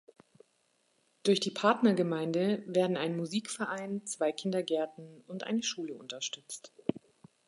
Durch die Partnergemeinde werden ein Musikverein, zwei Kindergärten und eine Schule unterstützt.